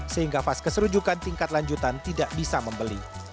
sehingga vaskes rujukan tingkat lanjutan tidak bisa membeli